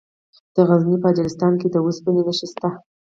د غزني په اجرستان کې د اوسپنې نښې شته.